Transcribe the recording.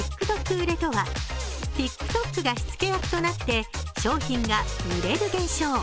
売れとは、ＴｉｋＴｏｋが火付け役となって商品が売れる現象。